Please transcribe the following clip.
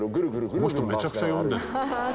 「この人めちゃくちゃ読んでる」